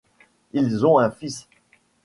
Ils ont un fils.